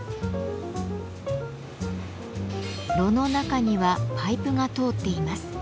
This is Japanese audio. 炉の中にはパイプが通っています。